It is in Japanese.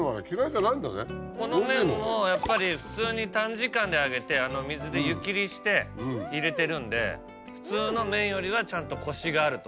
この麺もやっぱり普通に短時間で上げて水で湯切りして入れてるんで普通の麺よりはちゃんとコシがあると。